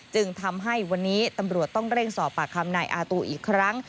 จึงทำให้วันนี้ตำรวจต้องเร่งสอบปากคำนายอาตูอีกครั้ง